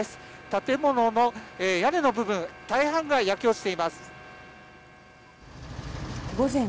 建物の屋根の部分大半が焼け落ちています。